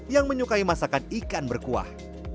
yang menyukai masakan ikan berkuah